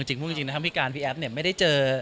เอาจริงพี่การพี่แอฟไม่ได้เจอ